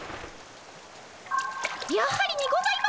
やはりにございます！